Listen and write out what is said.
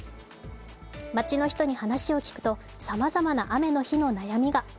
街の人に話を聞くと、さまざまな雨の日の悩みが。